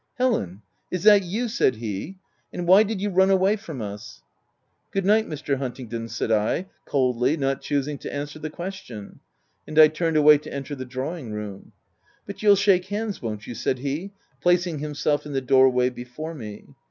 "Helen, is that you?" said he, " why did you run away from us?*' "Good night, Mr. Huntingdon,'' said I, coldly, not choosing to answer the question. And I turned away to enter the drawing room. "But you'll shake hands, won't you?" said he, placing himself in the door way before me.